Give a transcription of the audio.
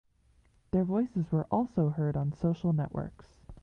Their voices were also heard on social networks.